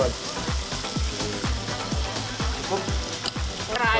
keras aja sih sebenarnya